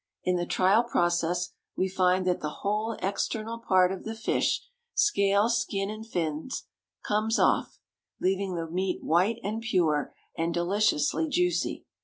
In the trial process we find that the whole external part of the fish scales, skin, and fins comes off, leaving the meat white and pure, and deliciously juicy.